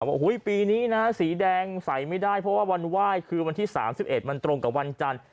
ว่าปีนี้นะสีแดงใส่ไม่ได้เพราะว่าวันไหว้คือวันที่๓๑มันตรงกับวันจันทร์